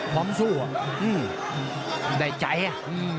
พร้อมสู้อ่ะได้ใจอ่ะ